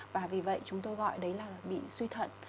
và vì vậy chúng tôi gọi đấy là bị suy thận